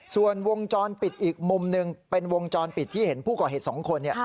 ส่วนวงจรปิดอีกมุมหนึ่งเป็นวงจรปิดที่เห็นผู้ก่อเหตุ๒คน